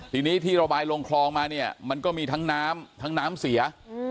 ทีนี้ที่ระบายลงคลองมาเนี่ยมันก็มีทั้งน้ำทั้งน้ำเสีย